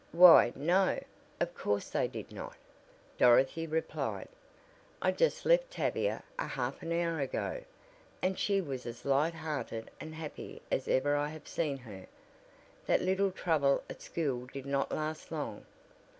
"Why, no. Of course they did not," Dorothy replied. "I just left Tavia a half hour ago, and she was as light hearted and happy as ever I have seen her. That little trouble at school did not last long."